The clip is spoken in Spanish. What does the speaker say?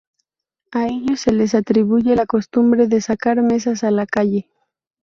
A ellos se les atribuye la costumbre de sacar mesas a la calle.